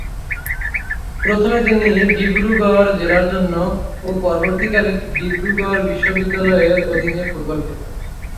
প্রথমে তিনি ডিব্রুগড় জেলার জন্য ও পরবর্তীকালে ডিব্রুগড় বিশ্ববিদ্যালয়ের অধীনে ফুটবল খেলতেন।